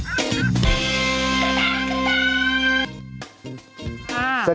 คุกหัว